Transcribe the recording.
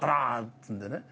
つうんでね。